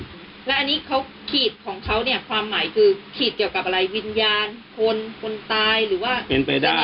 แล้วอันนี้เขาขีดของเขาเนี่ยความหมายคือขีดเกี่ยวกับอะไร